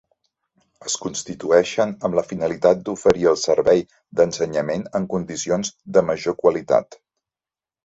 Es constitueixen amb la finalitat d'oferir el servei d'ensenyament en condicions de major qualitat.